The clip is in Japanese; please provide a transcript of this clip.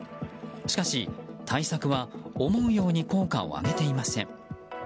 しかし対策は思うように効果を上げていません。